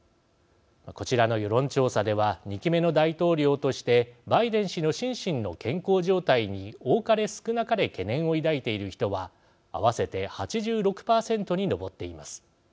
こちらの世論調査では２期目の大統領としてバイデン氏の心身の健康状態に多かれ少なかれ懸念を抱いている人は合わせて８６％に上っています。